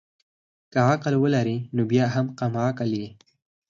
که عقل ولري نو بيا هم کم عقل يي